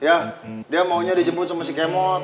ya dia maunya dijemput sama si kemon